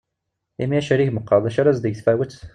Imi acerrig meqqaṛ, d acu ar as-d-teg tfawett?